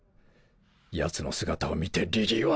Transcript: ヤツの姿を見てリリーは。